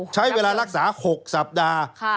ใช้เวลารักษา๖สัปดาห์